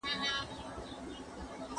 ¬ سل سمنه ايږده، د يوه بې عقله ځان خلاصوه.